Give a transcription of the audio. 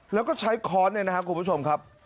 แล้วก็ใช้ค้อนเนี่ยนะครับคุณผู้ชมครับ